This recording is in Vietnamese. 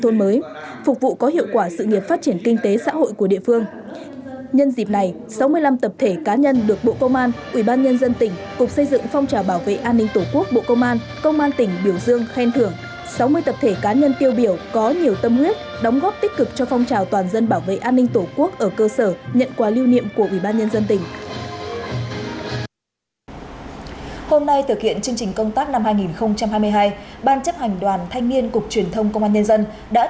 hôm nay thực hiện chương trình công tác năm hai nghìn hai mươi hai ban chấp hành đoàn thanh niên cục truyền thông công an nhân dân đã tổ chức đối thoại giữa đảng ủy lãnh đạo cục với đoàn viên thanh niên